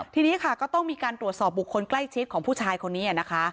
ทีนี้ค่ะก็ต้องมีการตรวจสอบบุคคลใกล้ชิดของผู้ชายคนนี้นะคะ